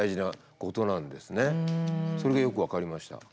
それがよく分かりました。